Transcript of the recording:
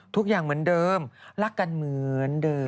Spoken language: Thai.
ทุกอย่างเหมือนเดิมรักกันเหมือนเดิม